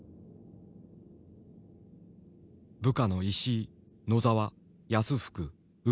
部下の石井野澤安福鵜飼